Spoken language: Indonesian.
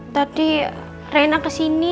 tadi reina kesini